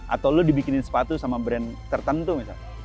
atau lo dibikinin sepatu sama brand tertentu misalnya